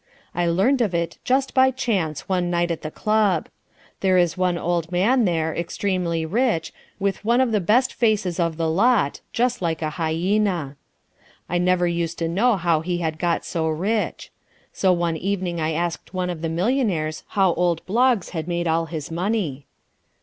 I learned of it just by chance one night at the club. There is one old man there, extremely rich, with one of the best faces of the lot, just like a hyena. I never used to know how he had got so rich. So one evening I asked one of the millionaires how old Bloggs had made all his money.